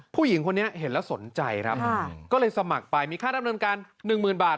ผู้หญิงคนนี้เห็นแล้วสนใจครับก็เลยสมัครไปมีค่าดำเนินการหนึ่งหมื่นบาท